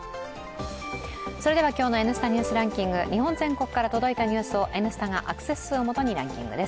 それでは今日の「Ｎスタ・ニュースランキング」日本全国から届いたニュースを「Ｎスタ」がアクセス数をもとにランキングです。